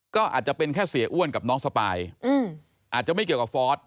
ก็อาจจะเป็นแค่เสียอ้วนกับน้องสปายอาจจะไม่เกี่ยวกับฟอร์ส